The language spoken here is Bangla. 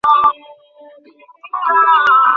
মেনন পূর্বের মতই বিশ্বস্ত ও অনুগত আছেন।